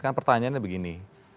kan pertanyaannya begini